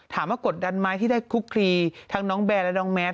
กดดันไหมที่ได้คุกคลีทั้งน้องแบร์และน้องแมท